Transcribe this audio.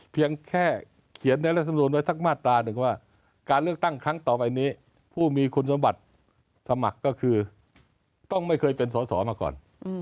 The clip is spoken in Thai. เพียงแค่เขียนในรัฐมนุนไว้สักมาตราหนึ่งว่าการเลือกตั้งครั้งต่อไปนี้ผู้มีคุณสมบัติสมัครก็คือต้องไม่เคยเป็นสอสอมาก่อน